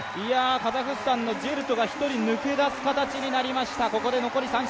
カザフスタンのジェルトが１人、抜け出す形になりました。